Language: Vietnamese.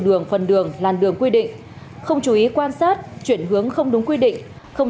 đường phần đường làn đường quy định không chú ý quan sát chuyển hướng không đúng quy định không